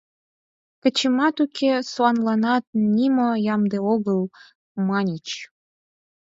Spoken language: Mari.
Качемат уке, сӱанланат нимо ямде огыл, маньыч.